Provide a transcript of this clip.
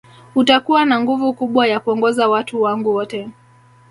Utakuwa na nguvu kubwa ya kuongoza watu wangu wote